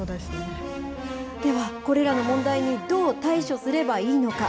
では、これらの問題にどう対処すればいいのか。